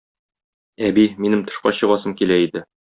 Әби, минем тышка чыгасым килә иде.